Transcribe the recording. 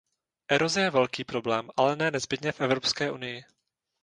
Eroze je velký problém, ale ne nezbytně v Evropské unii.